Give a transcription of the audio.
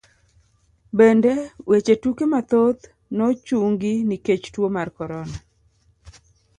Bende, weche tuke mathoth nochungi nikech tuo mar korona.